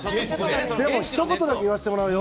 でもひと言だけ言わせてもらうよ。